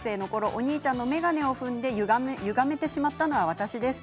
お兄ちゃんの眼鏡を踏んでゆがめてしまったのは私です。